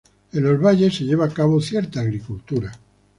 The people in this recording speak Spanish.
En los valles se lleva a cabo cierta agricultura.